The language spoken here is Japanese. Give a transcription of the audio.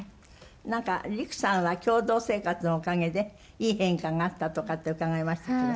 なんかＲＩＫＵさんは共同生活のおかげでいい変化があったとかって伺いましたけど。